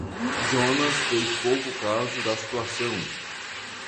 Jonas fez pouco caso da situação.